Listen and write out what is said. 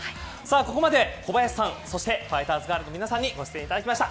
ここまで、小林さんそしてファイターズガールの皆さんにご出演いただきました。